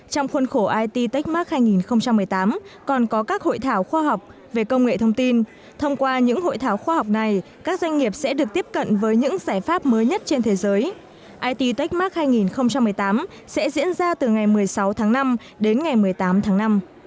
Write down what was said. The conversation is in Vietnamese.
trong khuôn khổ it techmark hai nghìn một mươi tám còn có các hội thảo khoa học về công nghệ thông tin thông qua những hội thảo khoa học này các doanh nghiệp sẽ được tiếp cận với những giải pháp mới nhất trên thế giới it techmark hai nghìn một mươi tám sẽ diễn ra từ ngày một mươi sáu tháng năm đến ngày một mươi tám tháng năm